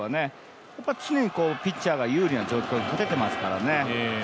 常にピッチャーが有利な状況取れていますからね。